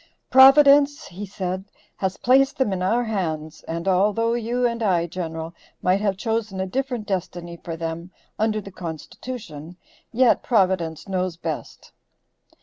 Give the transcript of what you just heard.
"Providence," he said, "has placed them in our hands, and although you and I, General, might have chosen a different destiny for them, under the Constitution, yet Providence knows best."